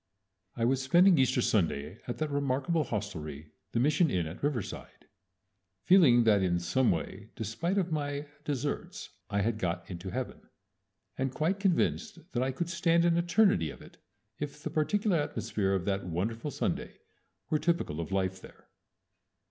I was spending Easter Sunday at that remarkable hostelry, the Mission Inn at Riverside, feeling that in some way despite of my desserts I had got into heaven, and quite convinced that I could stand an eternity of it if the particular atmosphere of that wonderful Sunday were typical of life there.